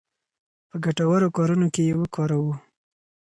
په ګټورو کارونو کې یې وکاروو.